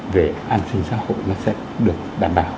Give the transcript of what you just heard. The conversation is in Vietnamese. về an sinh xã hội nó sẽ được đảm bảo